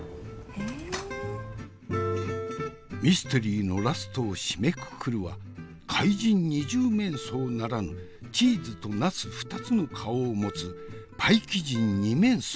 ミステリーのラストを締めくくるは怪人二十面相ならぬチーズとナス２つの顔を持つパイキジン二面相なり。